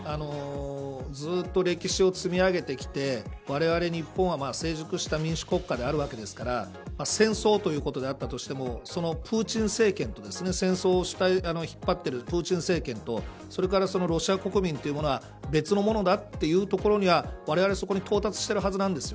ずっと歴史を積み上げてきてわれわれ日本は成熟した民主国家であるわけですから戦争ということであったとしてもプーチン政権と戦争を引っ張っているプーチン政権とそれからロシア国民というものは別のものだというところにわれわれは、そこに到達してるはずなんです。